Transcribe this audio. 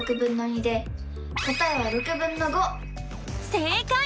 せいかい！